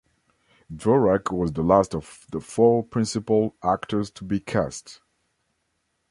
Dvorak was the last of the four principal actors to be cast.